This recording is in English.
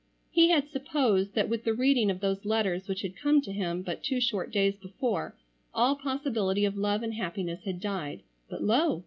He had supposed that with the reading of those letters which had come to him but two short days before all possibility of love and happiness had died, but lo!